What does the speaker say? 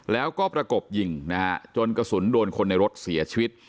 แล้วก็ประกบยิงนะฮะจนกระสุนโดนคนในรถเสียชีวิต